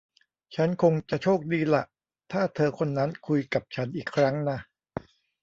ฉันคงจะโชคดีล่ะ ถ้าเธอคนนั้นคุยกับฉันอีกครั้งน่ะ